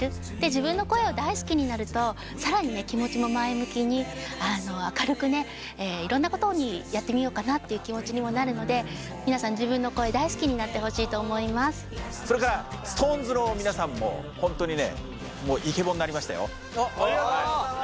自分の声を大好きになると更に気持ちも前向きに明るくねいろんなことをやってみようかなっていう気持ちにもなるのでそれからＳｉｘＴＯＮＥＳの皆さんも本当にねイケボになりましたよ。